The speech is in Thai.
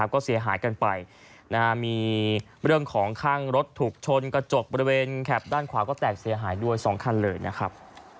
ก็เสียหายกันไปมีเรื่องของข้างรถถูกชนกระจกบริเวณแข็บด้านขวาก็แตกเสียหายด้วย๒คันเลยนะครับ